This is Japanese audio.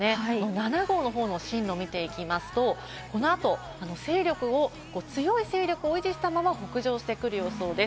７号の進路を見ていきますと、このあと強い勢力を維持したまま北上してくる予想です。